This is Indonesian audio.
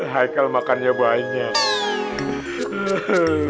haikal makannya banyak